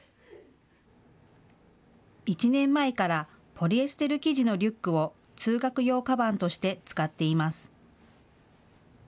１年前からポリエステル生地のリュックを通学用かばんとして使っています。